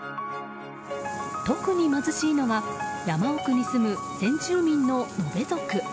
特に貧しいのが山奥に住む先住民のノベ族。